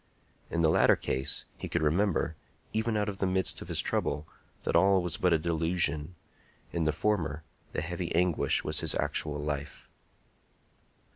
In the latter case he could remember, even out of the midst of his trouble, that all was but a delusion; in the former, the heavy anguish was his actual life.